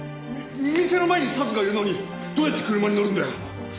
店の前にサツがいるのにどうやって車に乗るんだよ？